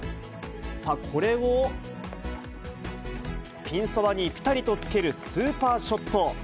さあ、これをピンそばにぴたりとつけるスーパーショット。